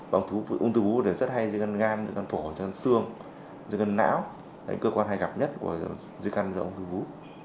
và ông thư vú rất hay di căn gan di căn phổ di căn xương di căn não là những cơ quan hay gặp nhất của di căn ông thư vú